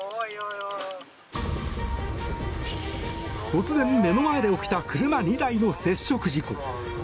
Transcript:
突然、目の前で起きた車２台の接触事故。